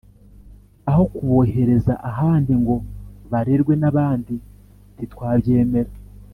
aho kubohereza ahandi ngo barerwe n’ abandi ntitwabyemera